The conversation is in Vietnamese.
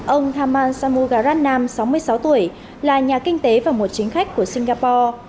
ông thamman samugaranam sáu mươi sáu tuổi là nhà kinh tế và một chính khách của singapore